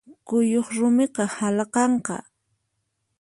Kuyuq rumiqa halaqanqa.